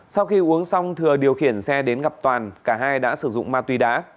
sau khi uống xong thừa điều khiển xe đến gặp toàn cả hai đã sử dụng ma túy đá